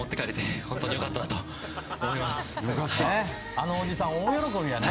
あのおじさん大喜びだね。